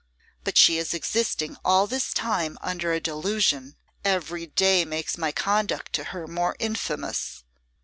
'But she is existing all this time under a delusion. Every day makes my conduct to her more infamous.